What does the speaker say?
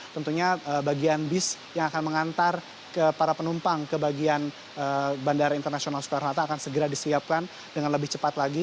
tentunya bagian bis yang akan mengantar para penumpang ke bagian bandara internasional soekarno hatta akan segera disiapkan dengan lebih cepat lagi